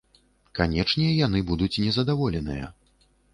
Канечне, яны будуць незадаволеныя.